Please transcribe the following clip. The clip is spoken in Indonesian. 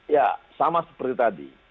ya sama seperti tadi